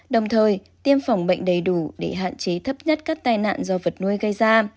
đồng thời tiêm phòng bệnh đầy đủ để hạn chế thấp nhất các tai nạn do vật nuôi gây ra